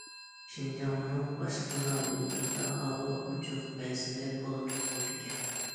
شىنجاڭنىڭ باشقا رايونلىرىدا ھاۋا ئوچۇق، بەزىدە بۇلۇتلۇق بولىدىكەن.